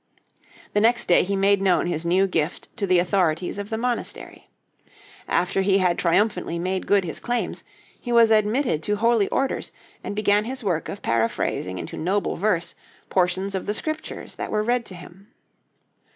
The next day he made known his new gift to the authorities of the monastery. After he had triumphantly made good his claims, he was admitted to holy orders, and began his work of paraphrasing into noble verse portions of the Scriptures that were read to him.